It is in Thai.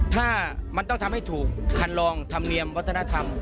ถ้ามันต้องทำให้ถูกคันลองธรรมเนียมวัฒนธรรม